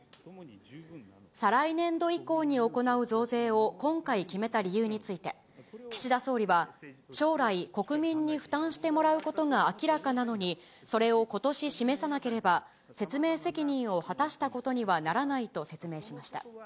再来年度以降に行う増税を今回決めた理由について、岸田総理は、将来、国民に負担してもらうことが明らかなのに、それをことし示さなければ、説明責任を果たしたことにはならないと説明しました。